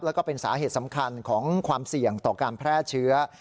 แล้วก็เป็นสาเหตุสำคัญของความเสี่ยงต่อการแพร่เชื้อ